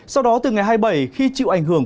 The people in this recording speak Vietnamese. sau đó từ ngày hai mươi bảy khi chịu ảnh hưởng